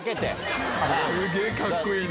すげぇ、かっこいいな。